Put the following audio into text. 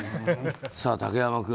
竹山君。